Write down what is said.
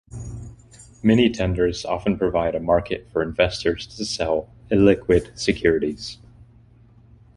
Mini-tenders often provide a market for investors to sell illiquid securities.